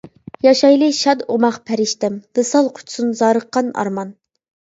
ياشايلى شاد ئوماق پەرىشتەم، ۋىسال قۇچسۇن زارىققان ئارمان.